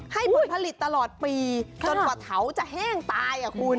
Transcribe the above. ผลผลิตตลอดปีจนกว่าเถาจะแห้งตายอ่ะคุณ